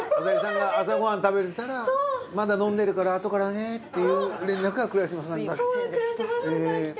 朝井さんが朝ごはん食べてたらまだ飲んでるからあとからねっていう連絡が倉嶋さんから。